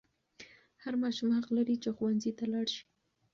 هر ماشوم حق لري چې ښوونځي ته ولاړ شي.